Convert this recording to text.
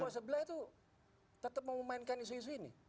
kalau sebelah itu tetap mau memainkan isu isu ini